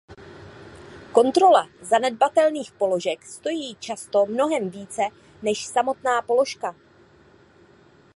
Kontrola zanedbatelných položek stojí často mnohem více než samotná položka.